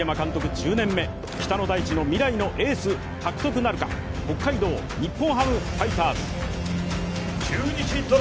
１０年目、北の大地の未来のエース獲得なるか、北海道日本ハムファイターズ。